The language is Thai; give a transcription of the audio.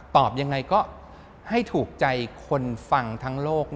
ตอบยังไงก็ให้ถูกใจคนฟังทั้งโลก